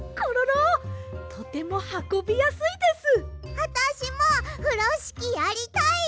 あたしもふろしきやりたい！